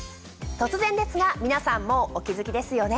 突然ですが皆さんもうお気付きですよね。